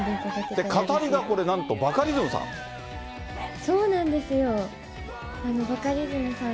語りがなんと、バカリズムさん。